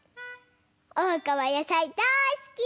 おうかはやさいだいすき！